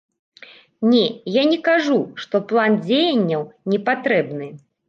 Не, я не кажу, што план дзеянняў не патрэбны.